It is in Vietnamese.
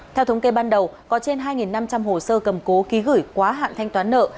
theo thống kê ban đầu có trên hai năm trăm linh hồ sơ cầm cố ký gửi quá hạn thanh toán nợ